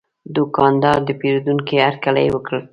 دوکاندار د پیرودونکي هرکلی وکړ.